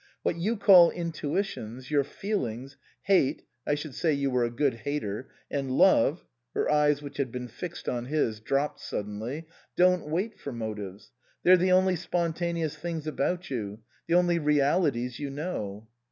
What you call intuitions, your feelings hate (I should say you were a good hater) and love " (her eyes, which had been fixed on his, dropped suddenly,) " don't wait for motives. They're the only spontaneous things about you, the only realities you know."